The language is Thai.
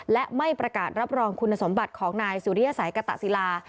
และไม่ประกาศรับรองคุณสมบัติของนายสุริยสัยกตะศิลา